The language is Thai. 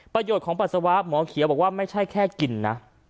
ประโยชน์ของปัสสาวะหมอเขียวบอกว่าไม่ใช่แค่กินนะ